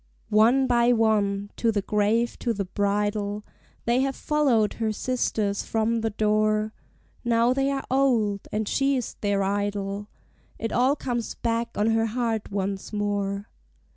One by one, to the grave, to the bridal, They have followed her sisters from the door; Now they are old, and she is their idol: It all comes back on her heart once more.